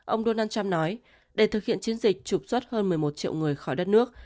ông donald trump nói để thực hiện chiến dịch trục xuất hơn một mươi một triệu người khỏi đất nước